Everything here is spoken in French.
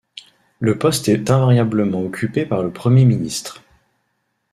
Le poste est invariablement occupé par le Premier ministre.